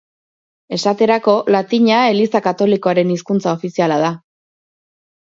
Esaterako, latina Eliza Katolikoaren hizkuntza ofiziala da.